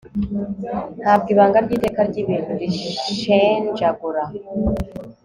Ntabwo ibanga ryiteka ryibintu rinshenjagura